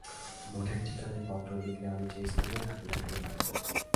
মঠের ঠিকানায় পত্র লিখিলে আমি যে-স্থানেই থাকি না কেন পাইব।